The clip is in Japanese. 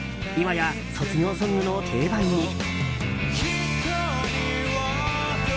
今や卒業ソングの定番に。